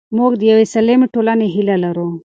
موږ د یوې سالمې ټولنې هیله لرو.